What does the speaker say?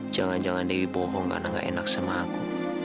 jangan jangan dewi bohong karena gak enak sama aku